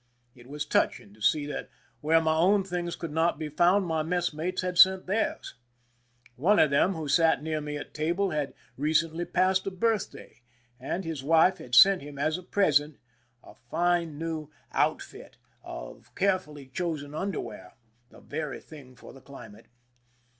It was touching to see that where my own things could not be found my mess mates had sent theirs. One of them who sat near me at table had recently passed a birthday, and his wife had sent him as a present a fine new outfit of ' 182 IMPRISONMENT IN MORRO CASTLE carefully chosen underwear, the very thing for the climate.